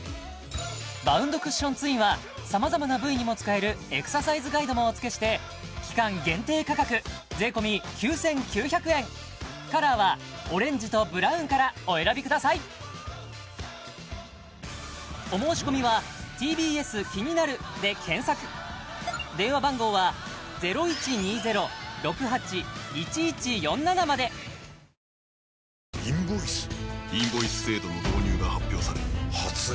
バウンドクッションツインは様々な部位にも使えるエクササイズガイドもおつけして期間限定価格税込９９００円カラーはオレンジとブラウンからお選びくださいさあ今日のプレゼントは何ですか？